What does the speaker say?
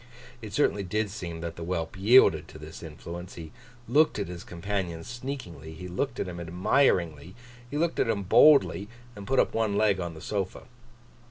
It certainly did seem that the whelp yielded to this influence. He looked at his companion sneakingly, he looked at him admiringly, he looked at him boldly, and put up one leg on the sofa.